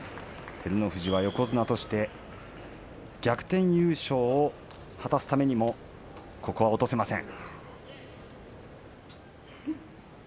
照ノ富士は横綱として逆転優勝を果たすためにもここは落とせません。